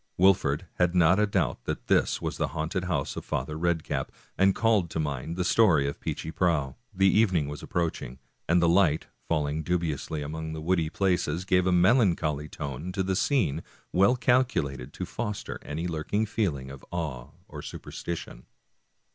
Wolfert had not a doubt that this was the haunted house of Father Red cap, and called to mind the story of Peechy Prauw. The evening was approaching, and the light, fall ing dubiously among the woody places, gave a melancholy tone to the scene well calculated to foster any lurking feel ing of awe or superstition.